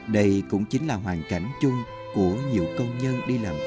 đây cũng chính là hoàn cảnh chung của nhiều công nhân đi làm thuê tại các khu công nghiệp